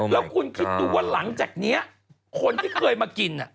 แล้วคุณคิดดูว่าหลังจากนี้คนที่เคยมากิน